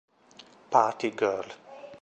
Party Girl